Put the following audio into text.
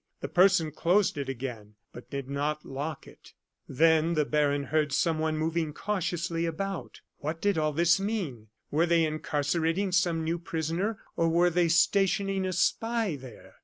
The person closed it again, but did not lock it. Then the baron heard someone moving cautiously about. What did all this mean? Were they incarcerating some new prisoner, or were they stationing a spy there?